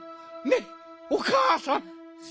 ねっおかあさん！